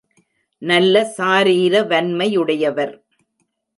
நல்ல சாரீர வன்மையுடையவர்.